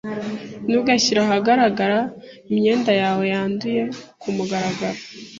Ntugashyire ahagaragara imyenda yawe yanduye kumugaragaro.